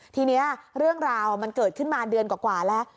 ทีนี้เรื่องราวมันเกิดขึ้นมาเดือนกว่าแล้ว